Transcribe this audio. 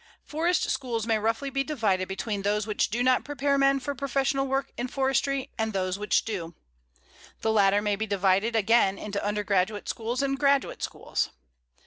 Forest schools may roughly be divided between those which do not prepare men for professional work in forestry, and those which do. The latter may be divided again into undergraduate schools and graduate schools.